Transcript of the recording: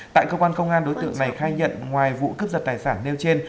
tại cơ quan công an đối tượng này khai nhận ngoài vụ cấp dật tài sản nêu trên